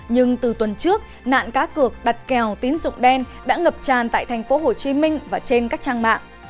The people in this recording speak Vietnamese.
nhưng từ tuần trước nạn cá cược đặt kèo tín dụng đen đã ngập tràn tại tp hcm và trên các trang mạng